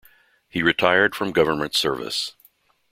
He retired from government service.